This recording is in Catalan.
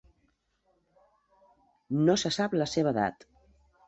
No se sap la seva edat.